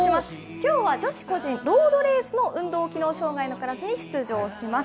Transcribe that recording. きょうは女子個人ロードレースの運動機能障害のクラスに出場します。